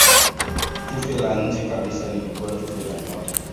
Tufe la nje kabisa lilikuwa tufe la nyota.